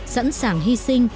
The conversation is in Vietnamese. sẵn sàng hy sinh